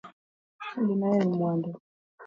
Gin e weg mwandu